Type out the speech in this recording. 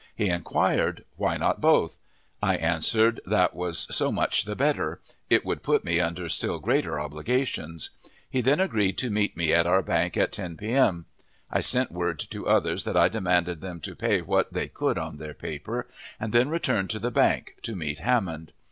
He inquired, "Why not both?" I answered that was so much the better; it would put me under still greater obligations. He then agreed to meet me at our bank at 10 P.M. I sent word to others that I demanded them to pay what they could on their paper, and then returned to the bank, to meet Hammond.